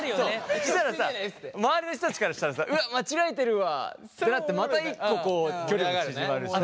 そしたらさ周りの人たちからしたらさ「うわっ間違えてるわ」ってなってまた１個距離が縮まるしさ。